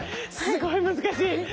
すごい難しい。